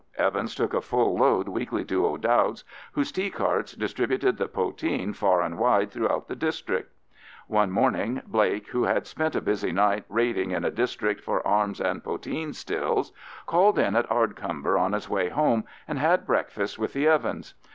Evans took a full load weekly to O'Dowd's, whose tea carts distributed the poteen far and wide throughout the district. One morning Blake, who had spent a busy night raiding in the district for arms and poteen stills, called in at Ardcumber on his way home and had breakfast with the Evans.